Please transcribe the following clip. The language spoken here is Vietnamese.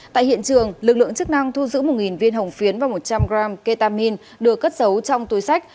tại hiện trường lực lượng chức năng thu giữ một viên hồng phiến và một trăm linh g ketamine được cất giấu trong túi sách